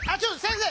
先生